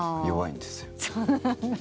弱いんですよ。